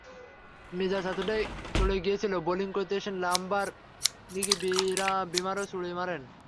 মেজাজ এতটাই চড়ে গিয়েছিল, বোলিং করতে এসে লাম্বার দিকে বিমারও ছুড়ে মারেন।